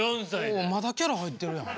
おおまだキャラ入ってるやん。